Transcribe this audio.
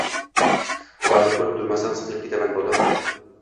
Ularni ko‘rib turmasam, siqilib ketaman, bolam”